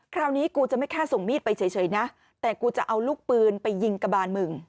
กูจะไม่แค่ส่งมีดไปเฉยนะแต่กูจะเอาลูกปืนไปยิงกระบานมึง